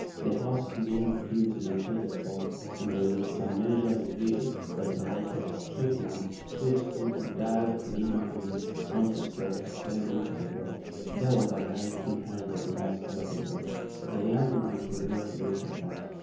The house loomed hugely through the fog and was in some measure revealed by the light of a street lamp which threw a dull glimmer on to steps ascending to the door. There was a light behind the glass over the door, but the young man did not look at that.